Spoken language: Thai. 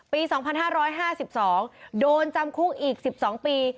ปี๒๕๕๒โดนจำคุกอีก๑๒ปี